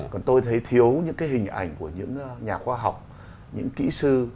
còn tôi thấy thiếu những cái hình ảnh của những nhà khoa học những kỹ sư